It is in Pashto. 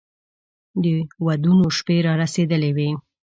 د ودونو شپې را رسېدلې وې.